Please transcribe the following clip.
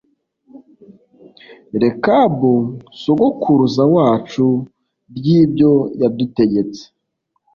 Rekabu sogokuruza wacu ry ibyo yadutegetse